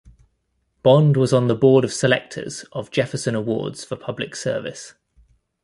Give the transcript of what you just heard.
Bond was on the Board of Selectors of Jefferson Awards for Public Service.